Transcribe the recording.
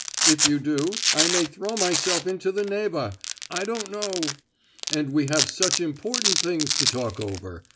If you do, I may throw myself into the Neva—I don't know!—and we have such important things to talk over.